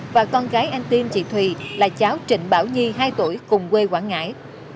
và con gái anh tiên chị thùy là cháu trịnh bảo nhi hai tuổi cùng quê quảng ngãi